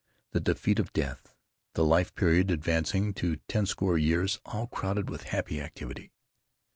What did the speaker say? The defeat of death; the life period advancing to ten score years all crowded with happy activity.